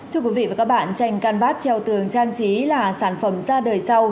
thưa quý vị và các bạn tranh can vát treo tường trang trí là sản phẩm ra đời sau